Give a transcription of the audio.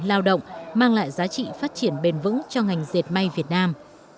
lao động mang lại giá trị phát triển bền vững cho ngành dệt may việt nam